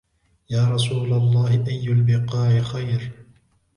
يَا رَسُولَ اللَّهِ أَيُّ الْبِقَاعِ خَيْرٌ